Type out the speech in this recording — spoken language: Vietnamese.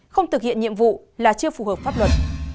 không thực hiện nhiệm vụ là chưa phù hợp pháp luật